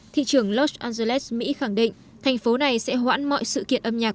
thị trưởng los angeles mỹ khẳng định thành phố này sẽ hoãn mọi sự kiện âm nhạc